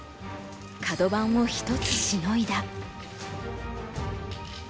カド番を一つしのいだ。